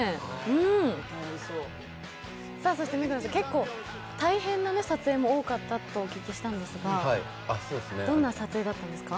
目黒さん、大変な撮影も多かったとお聞きしたんですがどんな撮影だったんですか？